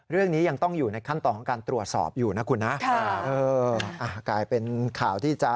เรื่องนี้ยังต้องอยู่ในขั้นตอนของการตรวจสอบคุณนะ